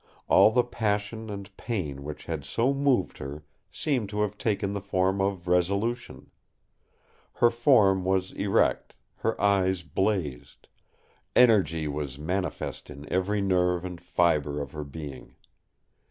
All the passion and pain which had so moved her seemed to have taken the form of resolution. Her form was erect, her eyes blazed; energy was manifest in every nerve and fibre of her being.